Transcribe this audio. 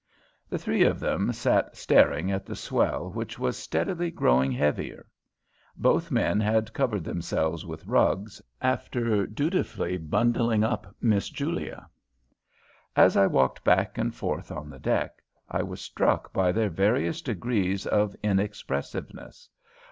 The three of them lay staring at the swell which was steadily growing heavier. Both men had covered themselves with rugs, after dutifully bundling up Miss Julia. As I walked back and forth on the deck, I was struck by their various degrees of in expressiveness.